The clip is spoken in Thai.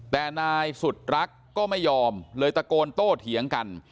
แต่นายสุดรักก็ไม่ยอมเลยตะโกนโต้เถียงกัน